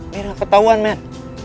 mirah ketauan men